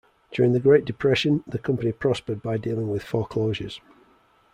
During the Great Depression, the company prospered by dealing with foreclosures.